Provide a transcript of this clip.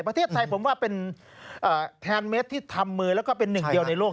ประเทศไทยผมว่าเป็นแทนเมสที่ทำมือแล้วก็เป็นหนึ่งเดียวในโลก